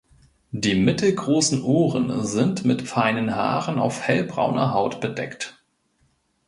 Die mittelgroßen Ohren sind mit feinen Haaren auf hellbrauner Haut bedeckt.